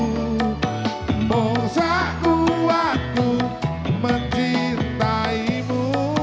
musa ku aku mencintaimu